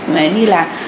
ví dụ như là